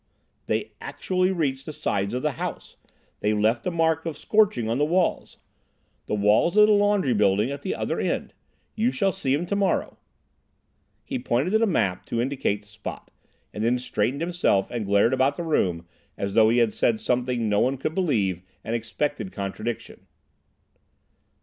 "They actually reached the sides of the house. They've left a mark of scorching on the walls—the walls of the laundry building at the other end. You shall see 'em tomorrow." He pointed to the map to indicate the spot, and then straightened himself and glared about the room as though he had said something no one could believe and expected contradiction.